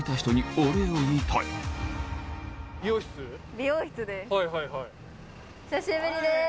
お久しぶりです。